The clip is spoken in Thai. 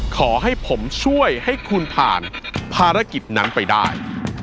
ขอให้ผมช่วยให้คุณผ่านภารกิจนั้นไปได้